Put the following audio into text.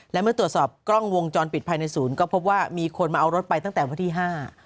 และเมื่อตรวจสอบกล้องวงจรปิดภายในศูนย์ก็พบว่ามีคนมาเอารถไปตั้งแต่วันที่ห้า